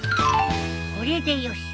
これでよし。